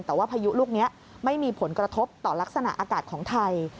แต่ว่าพายุลูกนี้ไม่มีผลกระทบต่อลักษณะอากาศของไทย